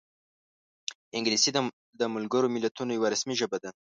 انګلیسي د ملګرو ملتونو یوه رسمي ژبه ده